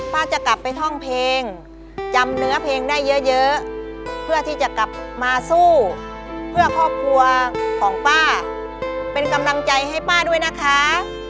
จะกลับไปท่องเพลงจำเนื้อเพลงได้เยอะเพื่อที่จะกลับมาสู้เพื่อครอบครัวของป้าเป็นกำลังใจให้ป้าด้วยนะคะ